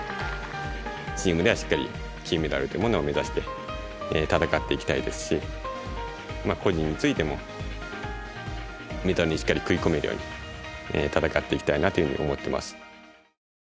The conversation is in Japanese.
チームではしっかり金メダルというものを目指して戦っていきたいですし個人についてもメダルにしっかり食い込めるように戦っていきたいなというふうに思っています。